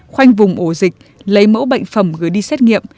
khoanh vùng ổ dịch lấy mẫu bệnh phẩm gửi đi xét nghiệm